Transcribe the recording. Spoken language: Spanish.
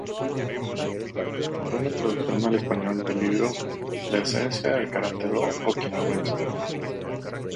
Colaboró en la traducción al español del libro "La esencia del Karate-do okinawense".